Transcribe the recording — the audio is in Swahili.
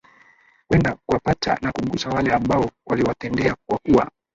kuenda kuwapata na kugusa wale ambao waliwatendea kwa kuwa